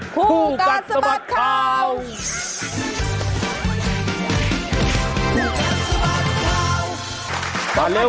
ผู้การสบัดข่าวผู้การสบัดข่าว